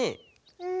うん。